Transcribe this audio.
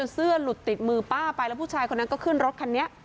เสื้อหลุดติดมือป้าไปแล้วผู้ชายคนนั้นก็ขึ้นรถคันนี้